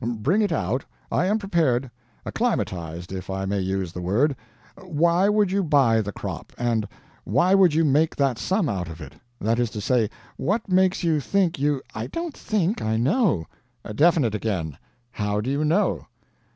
Bring it out I am prepared acclimatized, if I may use the word. Why would you buy the crop, and why would you make that sum out of it? That is to say, what makes you think you " "I don't think I know." "Definite again. How do you know?"